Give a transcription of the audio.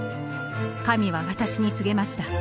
「神は私に告げました。